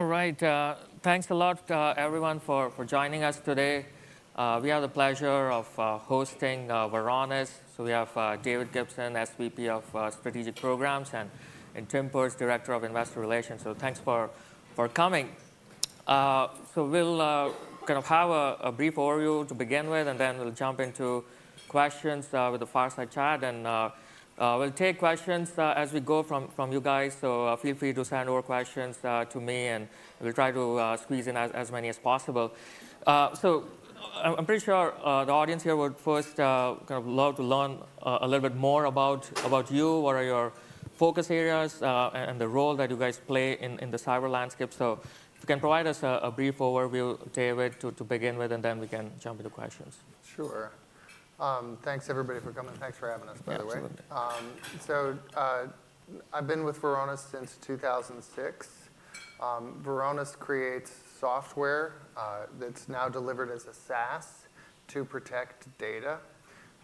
All right, thanks a lot, everyone, for joining us today. We have the pleasure of hosting Varonis. So we have David Gibson, SVP of Strategic Programs, and Tim Perz, Director of Investor Relations. So thanks for coming. So we'll kind of have a brief overview to begin with, and then we'll jump into questions with the fireside chat, and we'll take questions as we go from you guys. So feel free to send over questions to me, and we'll try to squeeze in as many as possible. So I'm, I'm pretty sure, the audience here would first, kind of love to learn, a little bit more about, about you, what are your focus areas, and, and the role that you guys play in, in the cyber landscape. So if you can provide us a brief overview, David, to begin with, and then we can jump into questions. Sure. Thanks everybody for coming. Thanks for having us, by the way. Absolutely. So, I've been with Varonis since 2006. Varonis creates software that's now delivered as a SaaS to protect data.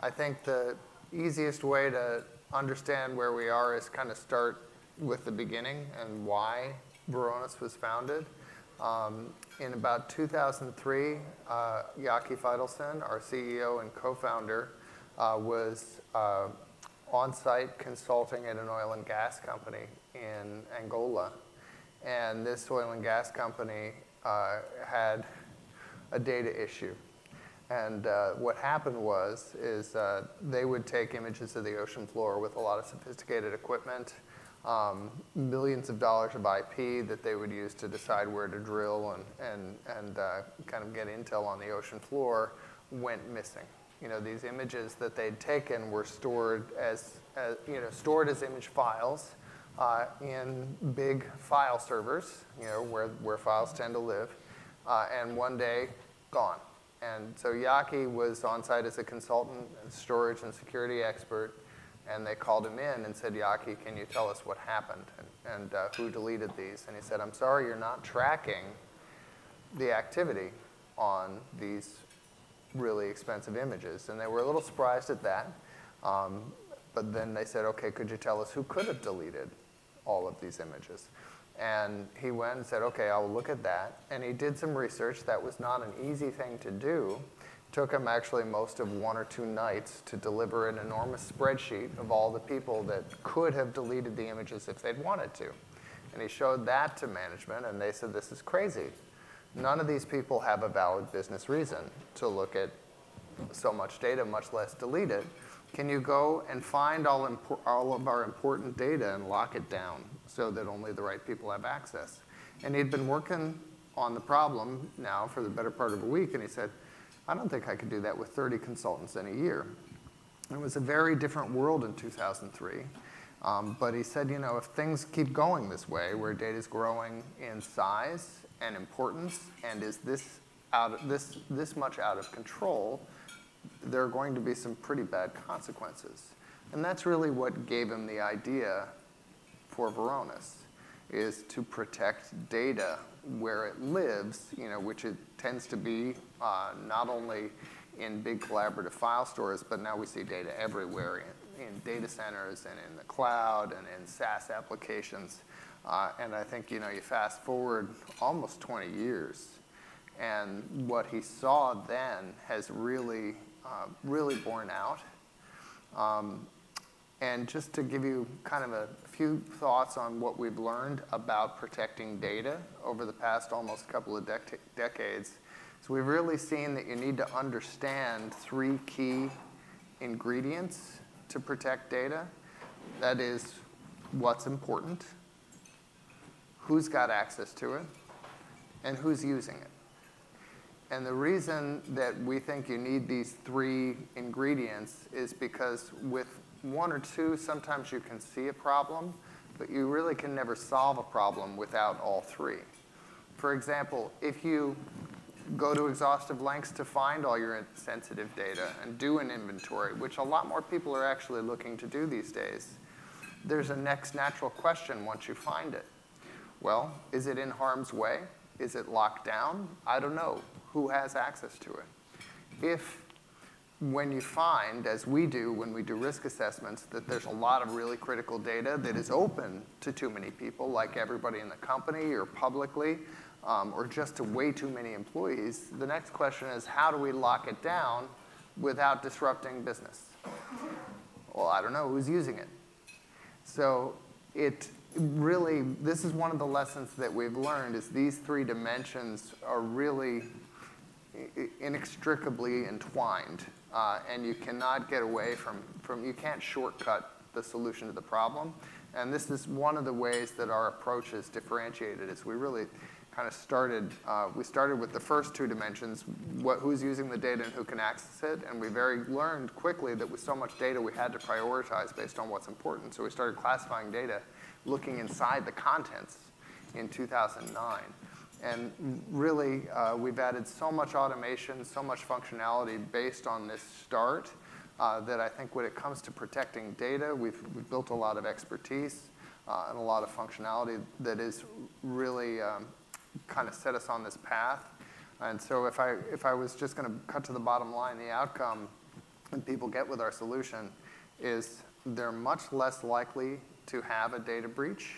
I think the easiest way to understand where we are is kind of start with the beginning and why Varonis was founded. In about 2003, Yaki Faitelson, our CEO and co-founder, was on-site consulting at an oil and gas company in Angola, and this oil and gas company had a data issue. What happened was, is that they would take images of the ocean floor with a lot of sophisticated equipment, millions of dollars of IP that they would use to decide where to drill and kind of get intel on the ocean floor, went missing. You know, these images that they'd taken were stored as, you know, stored as image files in big file servers, you know, where files tend to live, and one day, gone. And so Yaki was on-site as a consultant and storage and security expert, and they called him in and said: "Yaki, can you tell us what happened and who deleted these?" And he said, "I'm sorry you're not tracking the activity on these really expensive images." And they were a little surprised at that, but then they said, "Okay, could you tell us who could have deleted all of these images?" And he went and said, "Okay, I'll look at that." And he did some research. That was not an easy thing to do. Took him actually most of one or two nights to deliver an enormous spreadsheet of all the people that could have deleted the images if they'd wanted to. And he showed that to management, and they said, "This is crazy. None of these people have a valid business reason to look at so much data, much less delete it. Can you go and find all of our important data and lock it down, so that only the right people have access?" And he'd been working on the problem now for the better part of a week, and he said: "I don't think I could do that with 30 consultants in a year." It was a very different world in 2003. But he said, "You know, if things keep going this way, where data's growing in size and importance, and is this out of control, there are going to be some pretty bad consequences." And that's really what gave him the idea for Varonis, is to protect data where it lives, you know, which it tends to be, not only in big collaborative file stores, but now we see data everywhere, in data centers and in the cloud and in SaaS applications. And I think, you know, you fast-forward almost 20 years, and what he saw then has really borne out. And just to give you kind of a few thoughts on what we've learned about protecting data over the past almost couple of decades. So we've really seen that you need to understand three key ingredients to protect data. That is, what's important? Who's got access to it? And who's using it? And the reason that we think you need these three ingredients is because with one or two, sometimes you can see a problem, but you really can never solve a problem without all three. For example, if you go to exhaustive lengths to find all your sensitive data and do an inventory, which a lot more people are actually looking to do these days, there's a next natural question once you find it. Well, is it in harm's way? Is it locked down? I don't know. Who has access to it? If when you find, as we do when we do risk assessments, that there's a lot of really critical data that is open to too many people, like everybody in the company or publicly, or just to way too many employees, the next question is, how do we lock it down without disrupting business? Well, I don't know. Who's using it? So it really. This is one of the lessons that we've learned, is these three dimensions are really inextricably entwined, and you cannot get away from, you can't shortcut the solution to the problem, and this is one of the ways that our approach is differentiated, is we really kind of started, we started with the first two dimensions, who's using the data and who can access it, and we learned quickly that with so much data, we had to prioritize based on what's important. So we started classifying data, looking inside the contents in 2009. And really, we've added so much automation, so much functionality based on this start, that I think when it comes to protecting data, we've, we've built a lot of expertise, and a lot of functionality that has really, kind of set us on this path. And so if I was just gonna cut to the bottom line, the outcome and people get with our solution is they're much less likely to have a data breach,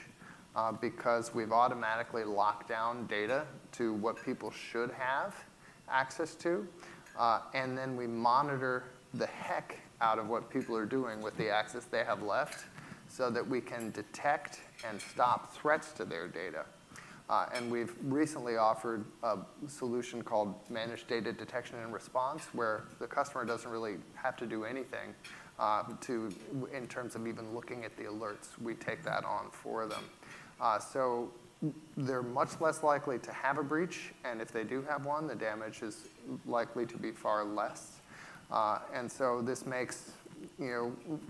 because we've automatically locked down data to what people should have access to. And then we monitor the heck out of what people are doing with the access they have left, so that we can detect and stop threats to their data. And we've recently offered a solution called Managed Data Detection and Response, where the customer doesn't really have to do anything, in terms of even looking at the alerts. We take that on for them. So they're much less likely to have a breach, and if they do have one, the damage is likely to be far less. And so this makes, you know,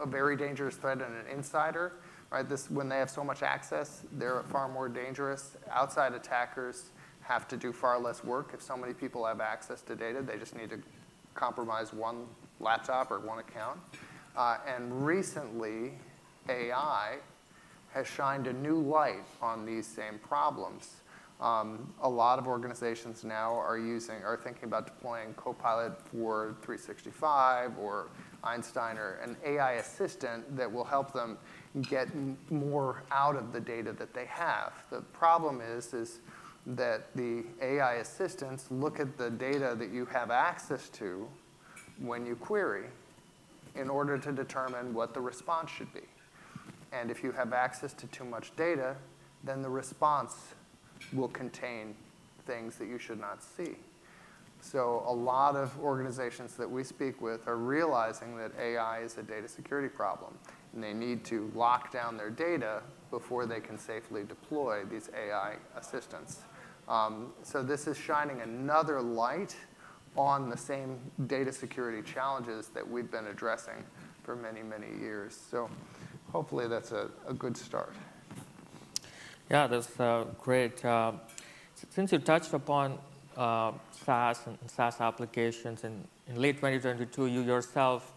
a very dangerous threat and an insider, right? This, when they have so much access, they're far more dangerous. Outside attackers have to do far less work. If so many people have access to data, they just need to compromise one laptop or one account. And recently, AI has shined a new light on these same problems. A lot of organizations now are using or thinking about deploying Copilot for 365 or Einstein or an AI assistant that will help them get more out of the data that they have. The problem is that the AI assistants look at the data that you have access to when you query, in order to determine what the response should be. If you have access to too much data, then the response will contain things that you should not see. A lot of organizations that we speak with are realizing that AI is a data security problem, and they need to lock down their data before they can safely deploy these AI assistants. This is shining another light on the same data security challenges that we've been addressing for many, many years. Hopefully, that's a good start. Yeah, that's great. Since you touched upon SaaS and SaaS applications, in late 2022, you yourself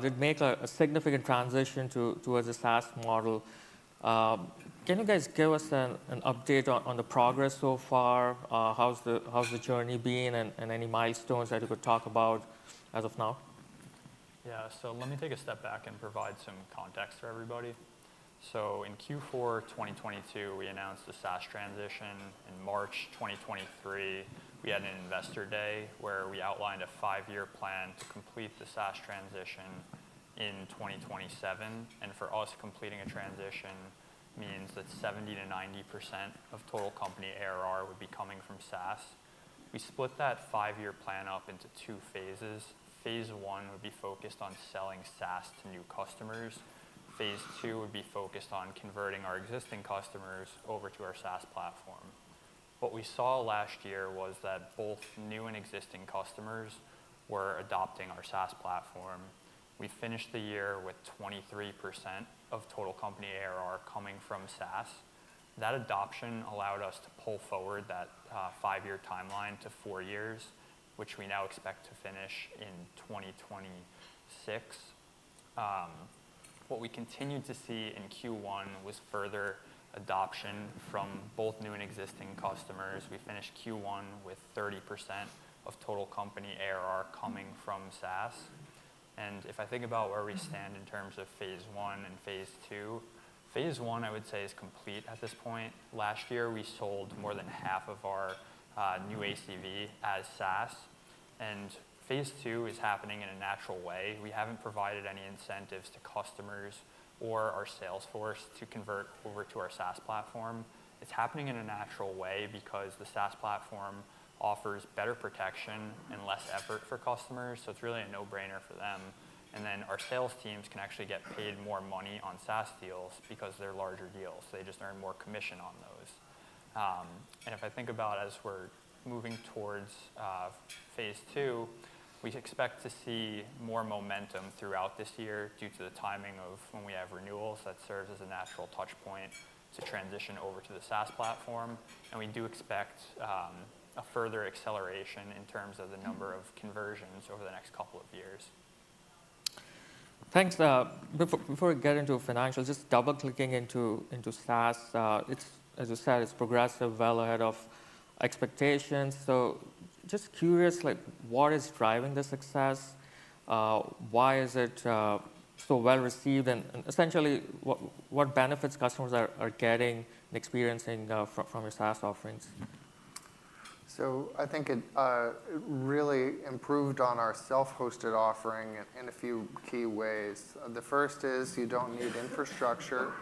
did make a significant transition towards the SaaS model. Can you guys give us an update on the progress so far? How's the journey been, and any milestones that you could talk about as of now? Yeah. So let me take a step back and provide some context for everybody. So in Q4 2022, we announced the SaaS transition. In March 2023, we had an Investor Day, where we outlined a five-year plan to complete the SaaS transition in 2027. And for us, completing a transition means that 70%-90% of total company ARR would be coming from SaaS. We split that five-year plan up into two phases. Phase I would be focused on selling SaaS to new customers. phase II would be focused on converting our existing customers over to our SaaS platform. What we saw last year was that both new and existing customers were adopting our SaaS platform. We finished the year with 23% of total company ARR coming from SaaS. That adoption allowed us to pull forward that five-year timeline to four years, which we now expect to finish in 2026. What we continued to see in Q1 was further adoption from both new and existing customers. We finished Q1 with 30% of total company ARR coming from SaaS. And if I think about where we stand in terms of phase I and phase II, phase I, I would say, is complete at this point. Last year, we sold more than half of our new ACV as SaaS, and phase II is happening in a natural way. We haven't provided any incentives to customers or our sales force to convert over to our SaaS platform. It's happening in a natural way because the SaaS platform offers better protection and less effort for customers, so it's really a no-brainer for them. And then, our sales teams can actually get paid more money on SaaS deals because they're larger deals. They just earn more commission on those. And if I think about, as we're moving towards phase II, we'd expect to see more momentum throughout this year due to the timing of when we have renewals. That serves as a natural touch point to transition over to the SaaS platform, and we do expect a further acceleration in terms of the number of conversions over the next couple of years. Thanks. Before we get into financials, just double-clicking into SaaS. It's. As you said, it's progressive, well ahead of expectations. So just curious, like, what is driving the success? Why is it so well-received, and essentially, what benefits customers are getting and experiencing from your SaaS offerings? So I think it really improved on our self-hosted offering in a few key ways. The first is, you don't need infrastructure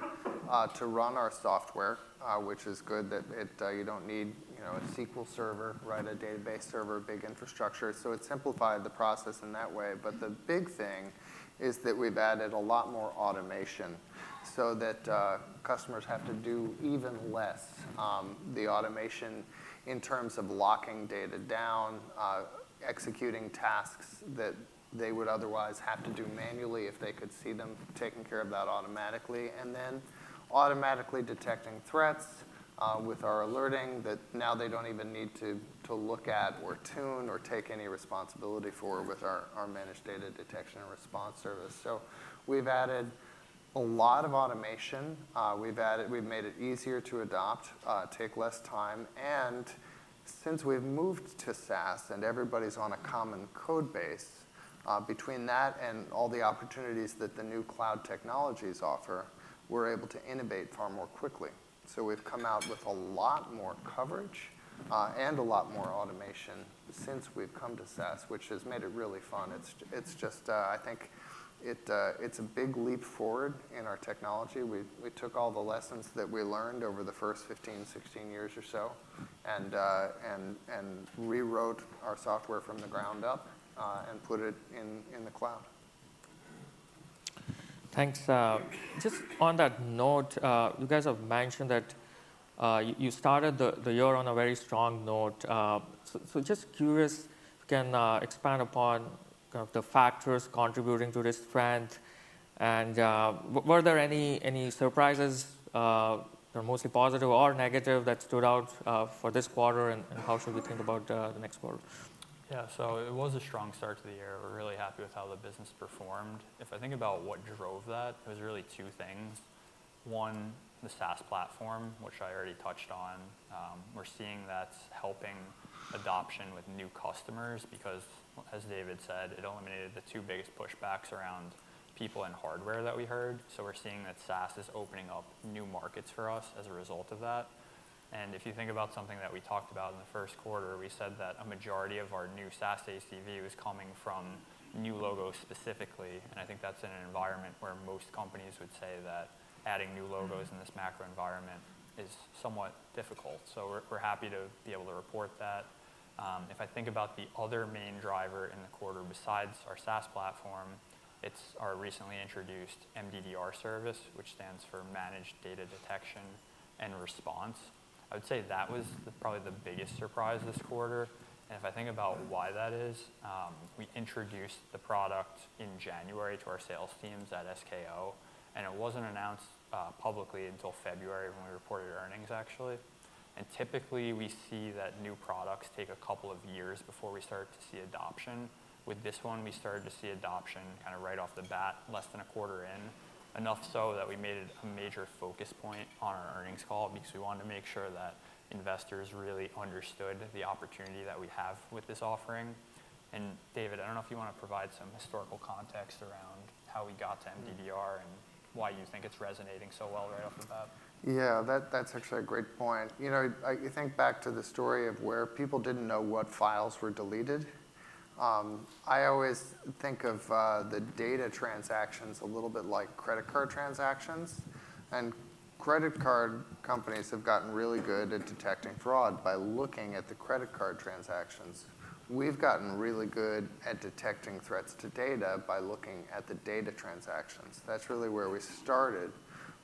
to run our software, which is good, that it, you don't need, you know, a SQL Server, right? A database server, big infrastructure, so it simplified the process in that way. But the big thing is that we've added a lot more automation so that customers have to do even less, the automation in terms of locking data down, executing tasks that they would otherwise have to do manually if they could see them taking care of that automatically, and then automatically detecting threats with our alerting, that now they don't even need to look at or tune or take any responsibility for with our Managed Data Detection and Response service. So we've added lot of automation. We've added, we've made it easier to adopt, take less time. And since we've moved to SaaS, and everybody's on a common code base, between that and all the opportunities that the new cloud technologies offer, we're able to innovate far more quickly. So we've come out with a lot more coverage, and a lot more automation since we've come to SaaS, which has made it really fun. It's just, I think it, it's a big leap forward in our technology. We, we took all the lessons that we learned over the first 15, 16 years or so, and, and, and rewrote our software from the ground up, and put it in, in the cloud. Thanks. Just on that note, you guys have mentioned that you started the year on a very strong note. So, just curious, if you can expand upon kind of the factors contributing to this trend, and were there any surprises, mostly positive or negative, that stood out for this quarter, and how should we think about the next quarter? Yeah, so it was a strong start to the year. We're really happy with how the business performed. If I think about what drove that, it was really two things. One, the SaaS platform, which I already touched on. We're seeing that's helping adoption with new customers because, as David said, it eliminated the two biggest pushbacks around people and hardware that we heard. So we're seeing that SaaS is opening up new markets for us as a result of that. And if you think about something that we talked about in the first quarter, we said that a majority of our new SaaS ACV was coming from new logos specifically. And I think that's in an environment where most companies would say that adding new logos in this macro environment is somewhat difficult. So we're happy to be able to report that. If I think about the other main driver in the quarter besides our SaaS platform, it's our recently introduced MDDR service, which stands for Managed Data Detection and Response. I would say that was probably the biggest surprise this quarter. And if I think about why that is, we introduced the product in January to our sales teams at SKO, and it wasn't announced publicly until February, when we reported earnings, actually. And typically, we see that new products take a couple of years before we start to see adoption. With this one, we started to see adoption kinda right off the bat, less than a quarter in, enough so that we made it a major focus point on our earnings call because we wanted to make sure that investors really understood the opportunity that we have with this offering. And David, I don't know if you wanna provide some historical context around how we got to MDDR and why you think it's resonating so well right off the bat. Yeah, that, that's actually a great point. You know, you think back to the story of where people didn't know what files were deleted. I always think of the data transactions a little bit like credit card transactions. And credit card companies have gotten really good at detecting fraud by looking at the credit card transactions. We've gotten really good at detecting threats to data by looking at the data transactions. That's really where we started.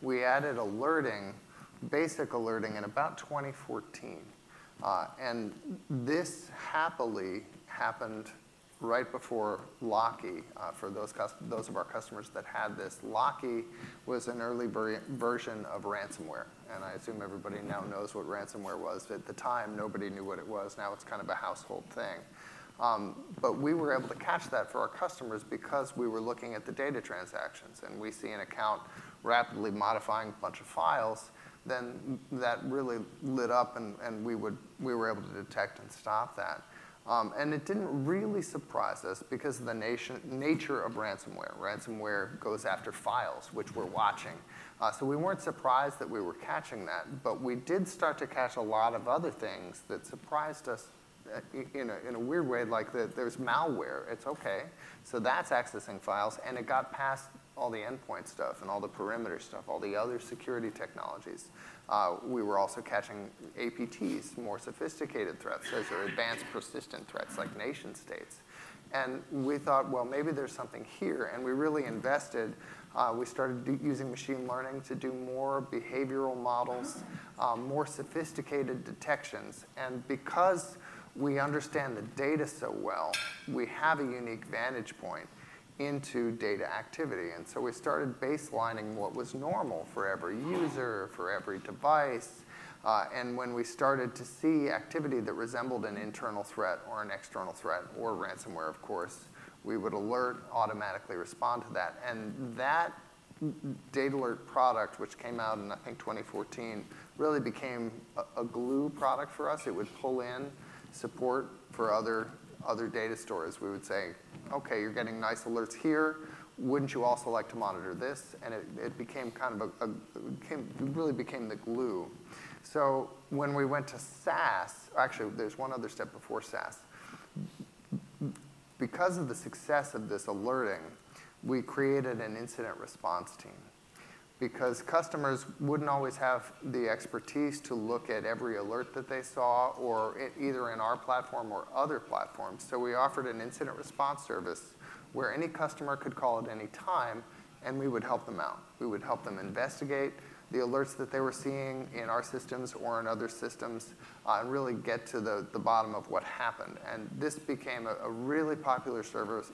We added alerting, basic alerting in about 2014. And this happily happened right before Locky, for those of our customers that had this. Locky was an early version of ransomware, and I assume everybody now knows what ransomware was. At the time, nobody knew what it was. Now, it's kind of a household thing. But we were able to catch that for our customers because we were looking at the data transactions, and we see an account rapidly modifying a bunch of files, then that really lit up, and we were able to detect and stop that. And it didn't really surprise us because of the nature of ransomware. Ransomware goes after files, which we're watching. So we weren't surprised that we were catching that, but we did start to catch a lot of other things that surprised us, in a weird way, like there's malware. It's okay, so that's accessing files, and it got past all the endpoint stuff and all the perimeter stuff, all the other security technologies. We were also catching APTs, more sophisticated threats, those are advanced persistent threats, like nation-states. And we thought, "Well, maybe there's something here," and we really invested. We started using machine learning to do more behavioral models, more sophisticated detections. And because we understand the data so well, we have a unique vantage point into data activity, and so we started baselining what was normal for every user, for every device, and when we started to see activity that resembled an internal threat or an external threat or ransomware, of course, we would alert, automatically respond to that. And that DatAlert product, which came out in, I think, 2014, really became a glue product for us. It would pull in support for other data stores. We would say, "Okay, you're getting nice alerts here. Wouldn't you also like to monitor this?" And it became kind of a glue. It really became the glue. So when we went to SaaS. Actually, there's one other step before SaaS. Because of the success of this alerting, we created an incident response team, because customers wouldn't always have the expertise to look at every alert that they saw or either in our platform or other platforms. So we offered an incident response service, where any customer could call at any time, and we would help them out. We would help them investigate the alerts that they were seeing in our systems or in other systems, and really get to the bottom of what happened. And this became a really popular service.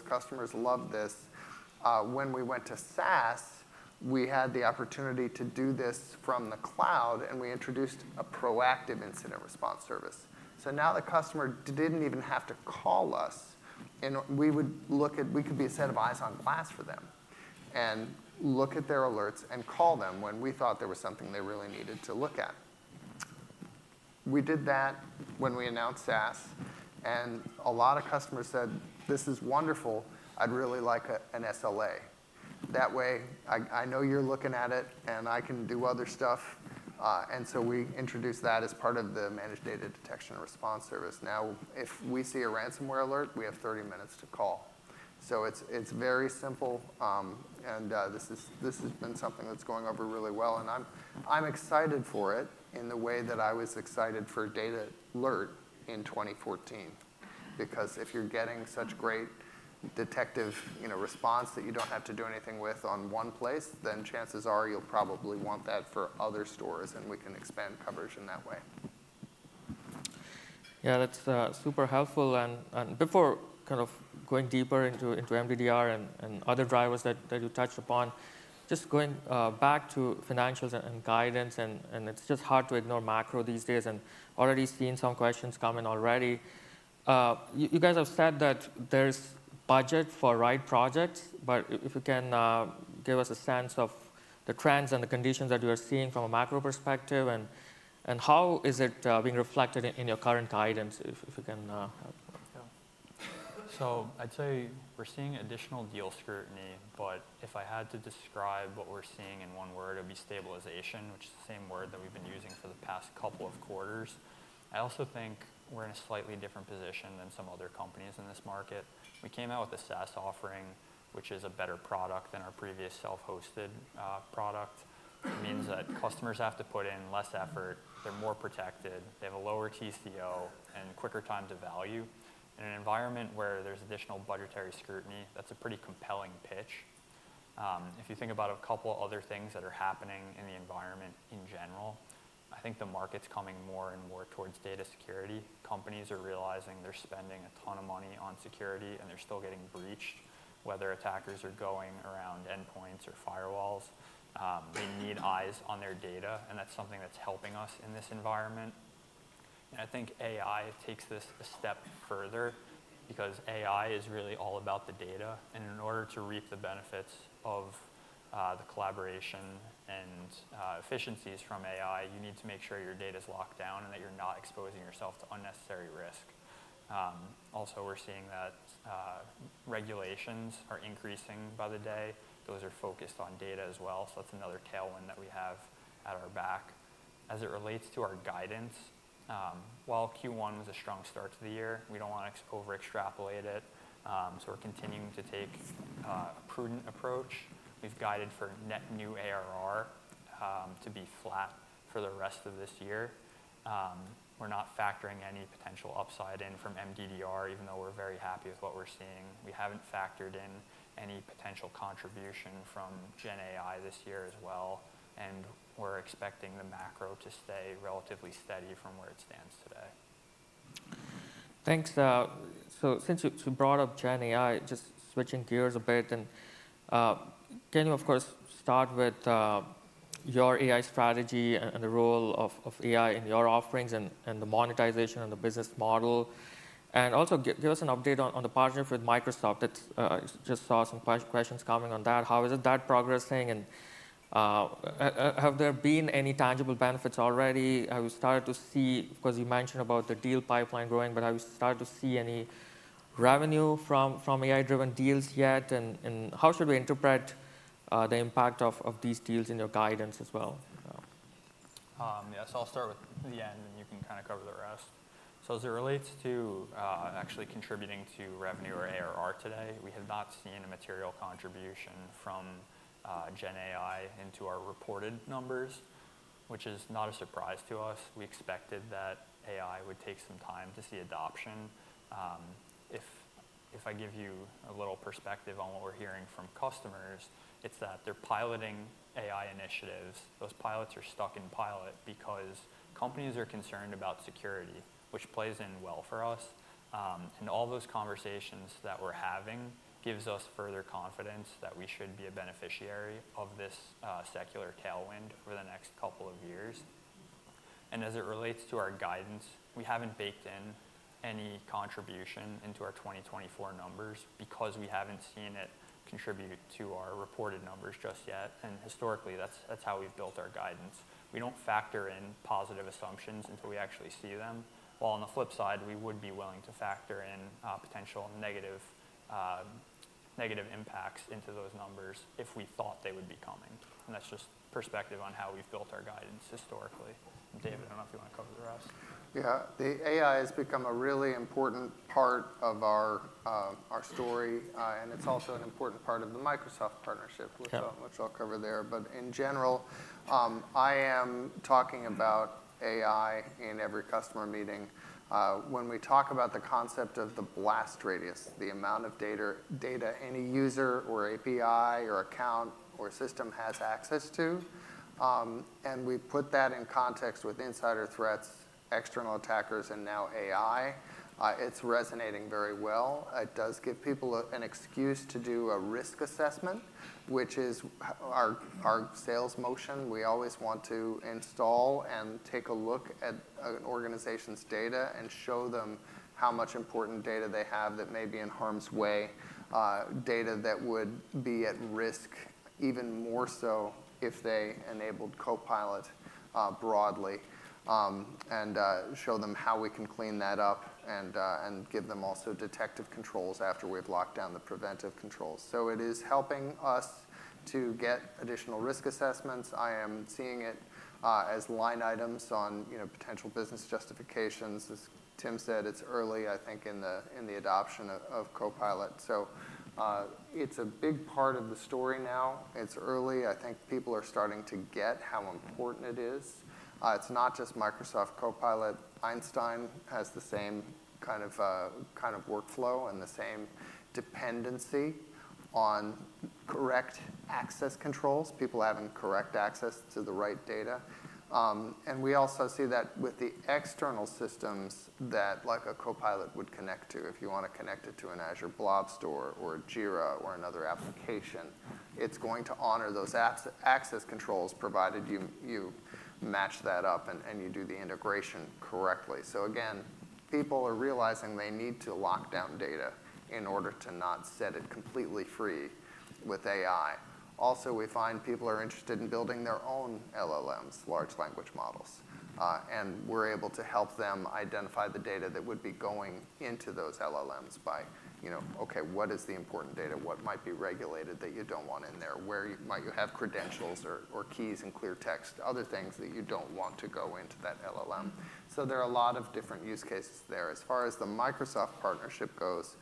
Customers loved this. When we went to SaaS, we had the opportunity to do this from the cloud, and we introduced a proactive incident response service. So now the customer didn't even have to call us, and we could be a set of eyes on glass for them, and look at their alerts and call them when we thought there was something they really needed to look at. We did that when we announced SaaS, and a lot of customers said, "This is wonderful. I'd really like an SLA. That way, I know you're looking at it, and I can do other stuff." And so we introduced that as part of the Managed Data Detection and Response service. Now, if we see a ransomware alert, we have 30 minutes to call. It's, it's very simple, and this is, this has been something that's going over really well, and I'm, I'm excited for it in the way that I was excited for DatAlert in 2014. Because if you're getting such great detection, you know, response that you don't have to do anything with in one place, then chances are you'll probably want that for other stores, and we can expand coverage in that way. Yeah, that's super helpful. And before kind of going deeper into MDDR and other drivers that you touched upon, just going back to financials and guidance, and it's just hard to ignore macro these days and already seeing some questions coming already. You guys have said that there's budget for right projects, but if you can give us a sense of the trends and the conditions that you are seeing from a macro perspective and how is it being reflected in your current guidance, if you can. Yeah. So I'd say we're seeing additional deal scrutiny, but if I had to describe what we're seeing in one word, it'd be stabilization, which is the same word that we've been using for the past couple of quarters. I also think we're in a slightly different position than some other companies in this market. We came out with a SaaS offering, which is a better product than our previous self-hosted product. It means that customers have to put in less effort, they're more protected, they have a lower TCO and quicker time to value. In an environment where there's additional budgetary scrutiny, that's a pretty compelling pitch. If you think about a couple other things that are happening in the environment in general, I think the market's coming more and more towards data security. Companies are realizing they're spending a ton of money on security, and they're still getting breached. Whether attackers are going around endpoints or firewalls, they need eyes on their data, and that's something that's helping us in this environment. And I think AI takes this a step further because AI is really all about the data, and in order to reap the benefits of the collaboration and efficiencies from AI, you need to make sure your data's locked down and that you're not exposing yourself to unnecessary risk. Also, we're seeing that regulations are increasing by the day. Those are focused on data as well, so that's another tailwind that we have at our back. As it relates to our guidance, while Q1 was a strong start to the year, we don't want to over extrapolate it. We're continuing to take a prudent approach. We've guided for net new ARR to be flat for the rest of this year. We're not factoring any potential upside in from MDDR, even though we're very happy with what we're seeing. We haven't factored in any potential contribution from Gen AI this year as well, and we're expecting the macro to stay relatively steady from where it stands today. Thanks. So since you brought up Gen AI, just switching gears a bit and can you, of course, start with your AI strategy and the role of AI in your offerings and the monetization and the business model? And also, give us an update on the partnership with Microsoft that just saw some questions coming on that. How is that progressing, and have there been any tangible benefits already? Have you started to see cause you mentioned about the deal pipeline growing, but have you started to see any revenue from AI-driven deals yet? And how should we interpret the impact of these deals in your guidance as well? Yeah, so I'll start with the end, and you can kinda cover the rest. So as it relates to actually contributing to revenue or ARR today, we have not seen a material contribution from Gen AI into our reported numbers, which is not a surprise to us. We expected that AI would take some time to see adoption. If I give you a little perspective on what we're hearing from customers, it's that they're piloting AI initiatives. Those pilots are stuck in pilot because companies are concerned about security, which plays in well for us. And all those conversations that we're having gives us further confidence that we should be a beneficiary of this secular tailwind over the next couple of years. As it relates to our guidance, we haven't baked in any contribution into our 2024 numbers because we haven't seen it contribute to our reported numbers just yet, and historically, that's how we've built our guidance. We don't factor in positive assumptions until we actually see them. While on the flip side, we would be willing to factor in potential negative impacts into those numbers if we thought they would be coming, and that's just perspective on how we've built our guidance historically. David, I don't know if you want to cover the rest. Yeah. The AI has become a really important part of our story, and it's also an important part of the Microsoft partnership which I'll cover there. But in general, I am talking about AI in every customer meeting. When we talk about the concept of the blast radius, the amount of data any user or API or account or system has access to, and we put that in context with insider threats, external attackers, and now AI, it's resonating very well. It does give people an excuse to do a risk assessment, which is our sales motion. We always want to install and take a look at an organization's data and show them how much important data they have that may be in harm's way, data that would be at risk even more so if they enabled Copilot, broadly. And show them how we can clean that up and give them also detective controls after we've locked down the preventive controls. So it is helping us to get additional risk assessments. I am seeing it as line items on, you know, potential business justifications. As Tim said, it's early, I think, in the adoption of Copilot. So it's a big part of the story now. It's early. I think people are starting to get how important it is. It's not just Microsoft Copilot. Einstein has the same kind of workflow and the same dependency on correct access controls, people having correct access to the right data. And we also see that with the external systems that, like a Copilot, would connect to, if you want to connect it to an Azure Blob Storage or Jira or another application, it's going to honor those access controls, provided you match that up and you do the integration correctly. So again, people are realizing they need to lock down data in order to not set it completely free with AI. Also, we find people are interested in building their own LLMs, large language models, and we're able to help them identify the data that would be going into those LLMs by, you know, okay, what is the important data? What might be regulated that you don't want in there? Where might you have credentials or keys in clear text, other things that you don't want to go into that LLM? So there are a lot of different use cases there. As far as the Microsoft partnership goes,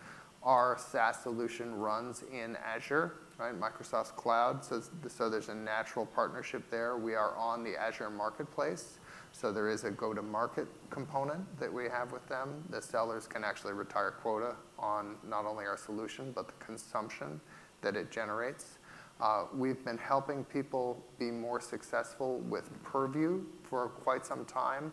our SaaS solution runs in Azure, right? Microsoft's cloud. So there's a natural partnership there. We are on the Azure Marketplace, so there is a go-to-market component that we have with them. The sellers can actually retire quota on not only our solution, but the consumption that it generates. We've been helping people be more successful with Purview for quite some time.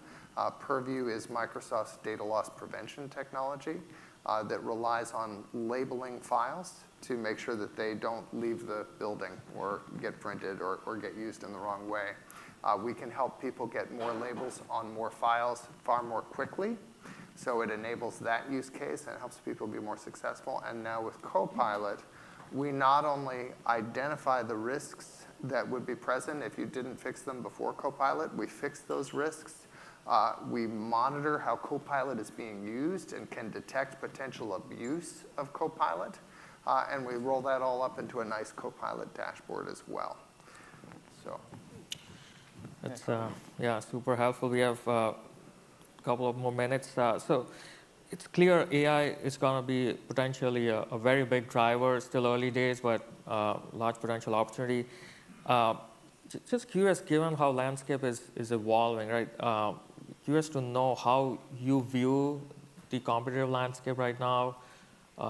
Purview is Microsoft's data loss prevention technology that relies on labeling files to make sure that they don't leave the building or get printed or get used in the wrong way. We can help people get more labels on more files far more quickly, so it enables that use case, and it helps people be more successful. Now with Copilot, we not only identify the risks that would be present if you didn't fix them before Copilot, we fix those risks, we monitor how Copilot is being used and can detect potential abuse of Copilot, and we roll that all up into a nice Copilot dashboard as well. That's, yeah, super helpful. We have a couple of more minutes. So it's clear AI is gonna be potentially a very big driver, still early days, but large potential opportunity. Just curious, given how landscape is evolving, right, curious to know how you view the competitive landscape right now,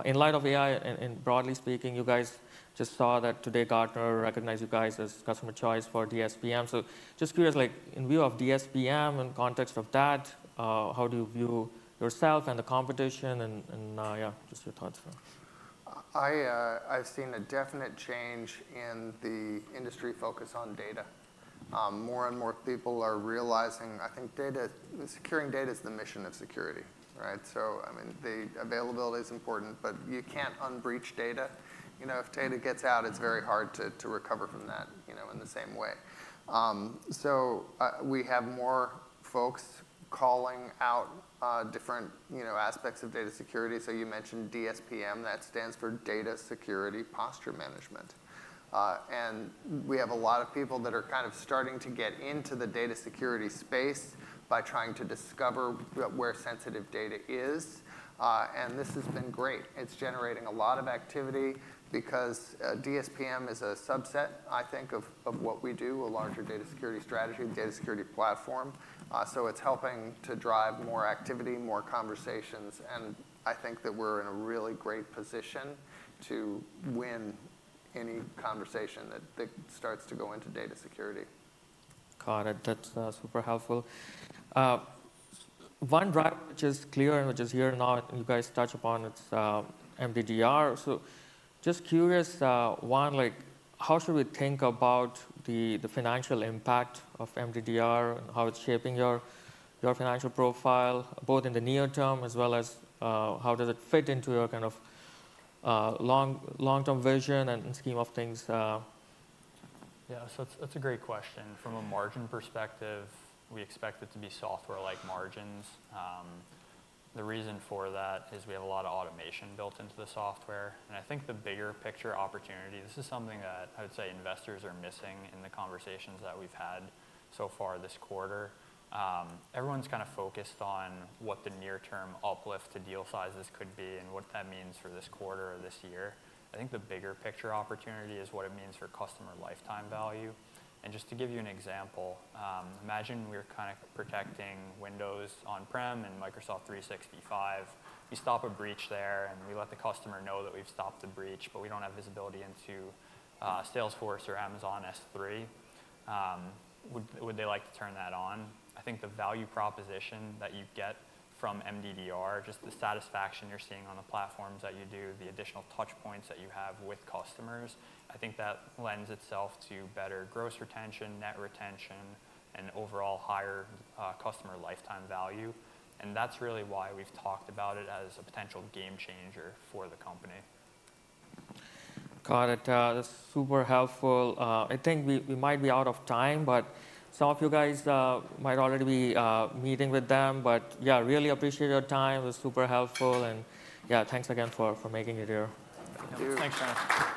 in light of AI and, broadly speaking, you guys just saw that today, Gartner recognized you guys as Customers' Choice for DSPM. So just curious, like in view of DSPM, in context of that, how do you view yourself and the competition? And, yeah, just your thoughts. I've seen a definite change in the industry focus on data. More and more people are realizing, I think, securing data is the mission of security, right? So, I mean, the availability is important, but you can't un-breach data. You know, if data gets out, it's very hard to recover from that, you know, in the same way. So, we have more folks calling out different, you know, aspects of data security. So you mentioned DSPM. That stands for Data Security Posture Management. And we have a lot of people that are kind of starting to get into the data security space by trying to discover where sensitive data is. And this has been great. It's generating a lot of activity because DSPM is a subset, I think, of what we do, a larger data security strategy, data security platform. So it's helping to drive more activity, more conversations, and I think that we're in a really great position to win any conversation that starts to go into data security. Got it. That's super helpful. One driver, which is clear and which is here now, you guys touch upon, it's MDDR. So just curious, like how should we think about the financial impact of MDDR and how it's shaping your financial profile, both in the near term as well as how does it fit into your kind of long-term vision and scheme of things? Yeah, so it's, that's a great question. From a margin perspective, we expect it to be software-like margins. The reason for that is we have a lot of automation built into the software, and I think the bigger picture opportunity, this is something that I would say investors are missing in the conversations that we've had so far this quarter. Everyone's kind of focused on what the near-term uplift to deal sizes could be and what that means for this quarter or this year. I think the bigger picture opportunity is what it means for customer lifetime value. And just to give you an example, imagine we're kind of protecting Windows on-prem and Microsoft 365. We stop a breach there, and we let the customer know that we've stopped the breach, but we don't have visibility into Salesforce or Amazon S3. Would they like to turn that on? I think the value proposition that you get from MDDR, just the satisfaction you're seeing on the platforms that you do, the additional touch points that you have with customers, I think that lends itself to better gross retention, net retention, and overall higher customer lifetime value. And that's really why we've talked about it as a potential game changer for the company. Got it. That's super helpful. I think we might be out of time, but some of you guys might already be meeting with them. But yeah, really appreciate your time. It was super helpful and yeah, thanks again for making it here. Thank you. Thanks, guys.